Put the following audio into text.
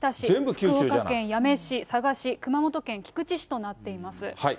福岡県八女市、佐賀市、熊本県菊池市となっています。